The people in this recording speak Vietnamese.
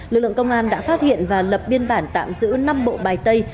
lực lượng công an đã phát hiện và lập biên bản tạm giữ năm bộ bài tây